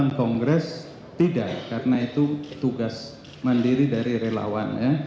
dalam kongres tidak karena itu tugas mandiri dari relawan